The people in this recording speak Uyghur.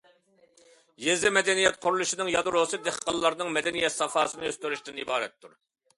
يېزا مەدەنىيەت قۇرۇلۇشىنىڭ يادروسى دېھقانلارنىڭ مەدەنىيەت ساپاسىنى ئۆستۈرۈشتىن ئىبارەت.